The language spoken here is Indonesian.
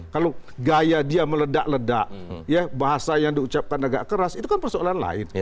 kalau gaya dia meledak ledak bahasa yang diucapkan agak keras itu kan persoalan lain